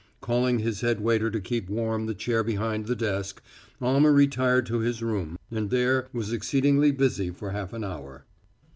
Calling his head waiter to keep warm the chair behind the desk, Almer retired to his room, and there was exceedingly busy for half an hour.